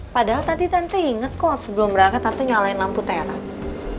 padahal tante tante inget kok sebelum berangkat tante nyalain lampu teras